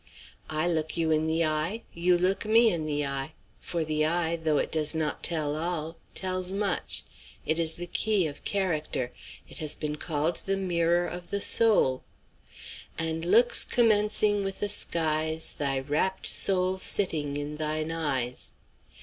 I look you in the eye you look me in the eye for the eye, though it does not tell all, tells much it is the key of character it has been called the mirror of the soul 'And looks commercing with the skies, Thy rapt soul sitting in thine eyes.'